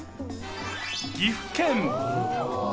岐阜県。